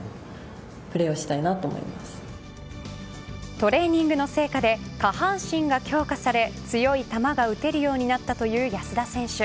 トレーニングの成果で下半身が強化され強い球が打てるようになったという安田選手。